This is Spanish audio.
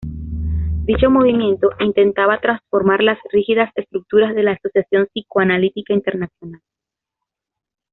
Dicho movimiento intentaba transformar las rígidas estructuras de la Asociación Psicoanalítica Internacional.